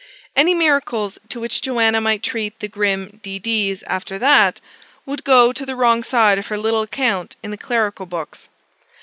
Any miracles, to which Joanna might treat the grim D. Ds. after that, would go to the wrong side of her little account in the clerical books.